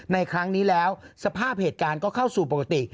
ในครั้งนี้แล้วสภาพเหตุการณ์ก็เข้าสู่ปกติ